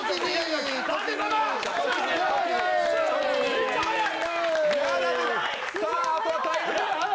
めっちゃ速い！